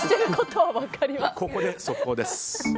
ここで速報です。